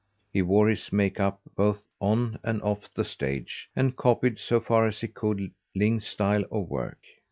He wore his make up both on and off the stage, and copied, so far as he could, Ling's style of work.